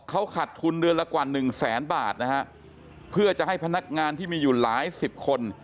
เขาขาดทุนเดือนละกว่าหนึ่งแสนบาทนะฮะเพื่อจะให้พนักงานที่มีอยู่หลายสิบคน